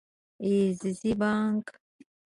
عزیزي بانګ